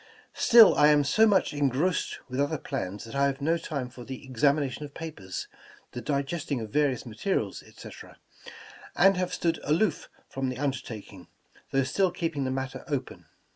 Still I am so much engrossed with other plans that I have no time for the examination of papers, the digesting of various materials, etc., and have stood aloof from the undertaking, though still keeping the matter open.